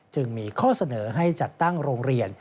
จึงมีข้อเสนอให้จัดตั้งโรงเรียน